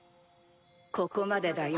・ここまでだよ。